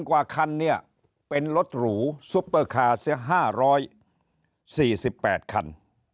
กว่าคันเนี่ยเป็นรถหรูซุปเปอร์คาร์๕๔๘คัน